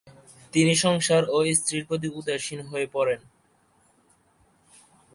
তিনি সংসার ও স্ত্রীর প্রতি উদাসীন হয়ে পরেন।